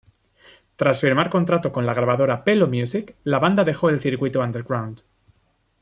Tras firmar contrato con la grabadora Pelo Music, la banda dejó el circuito underground.